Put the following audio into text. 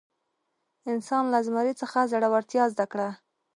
انسان له زمري څخه زړورتیا زده کړه.